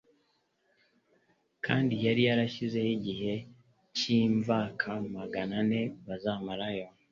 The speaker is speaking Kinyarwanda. kandi yari yarashyizeho igihe cy'imvaka magana ane bazamara yo.